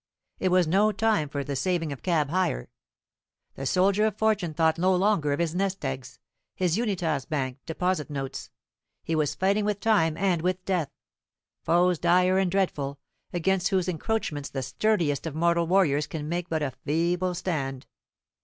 It was no time for the saving of cab hire. The soldier of fortune thought no longer of his nest eggs his Unitas Bank deposit notes. He was fighting with time and with death; foes dire and dreadful, against whose encroachments the sturdiest of mortal warriors can make but a feeble stand.